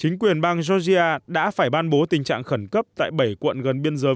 chính quyền bang georgia đã phải ban bố tình trạng khẩn cấp tại bảy quận gần biên giới